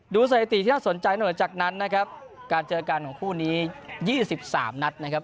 สถิติที่น่าสนใจหน่อยจากนั้นนะครับการเจอกันของคู่นี้๒๓นัดนะครับ